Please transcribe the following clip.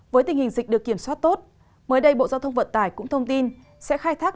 với tình hình dịch được kiểm soát tốt mới đây bộ giao thông vận tải cũng thông tin sẽ khai thác